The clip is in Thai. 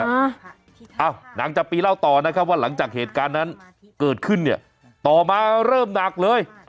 อ้าวนางจับปีเล่าต่อนะครับว่าหลังจากเหตุการณ์นั้นเกิดขึ้นเนี่ยต่อมาเริ่มหนักเลย